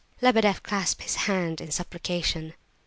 Lebedeff clasped his hands in supplication.